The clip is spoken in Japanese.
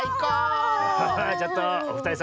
ちょっとおふたりさん